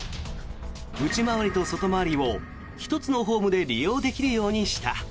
内回りと外回りを１つのホームで利用できるようにした。